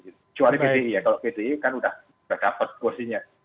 kecuali vdi ya kalau vdi kan udah dapat kursinya